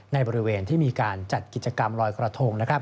ในบริเวณที่มีการจัดกิจกรรมลอยกระทง